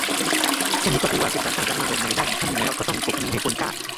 แค่นี้ก็ถือว่า เป็นการสร้างการเมืองแบบใหม่ได้อีกขั้นนึงแล้ว ก็ต้องปรบมือให้คนกล้า